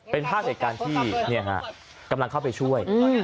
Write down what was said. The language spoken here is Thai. เป็นภาพเหตุการณ์ที่กำลังเข้าไปช่วย